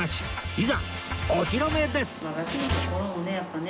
いざお披露目です！